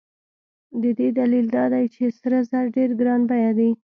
د دې دلیل دا دی چې سره زر ډېر ګران بیه دي.